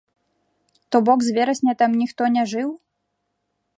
То бок з верасня там ніхто не жыў?